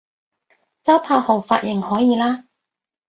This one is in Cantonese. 周柏豪髮型可以喇